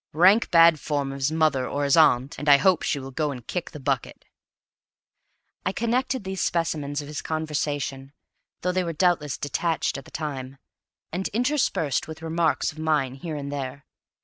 Rank bad form of his mother or his aunt, and I hope she will go and kick the bucket." I connect these specimens of his conversation, though they were doubtless detached at the time, and interspersed with remarks of mine here and there.